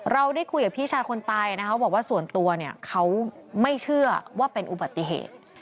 เราได้คุยกับพี่ชายคนตายนะคะบอกว่าส่วนตัวเนี่ยเขาไม่เชื่อว่าเป็นอุบัติเหตุ